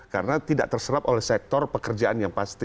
karena tidak terserap oleh sektor pekerjaan yang pasti